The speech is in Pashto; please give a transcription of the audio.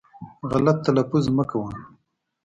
غلط تلفظ مه کوی